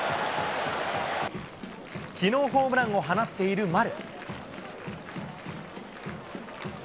きのうホームランを放っている丸。